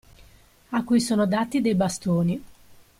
A cui sono dati dei bastoni.